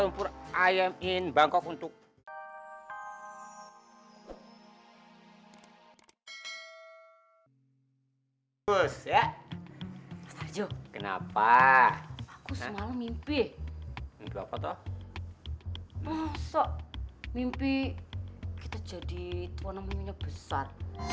lumpur i am in bangkok untuk bus ya kenapa aku semalam mimpi mimpi kita jadi tuan umurnya besar